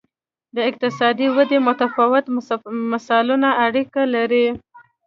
د اقتصادي ودې متفاوت مثالونه اړیکه لري.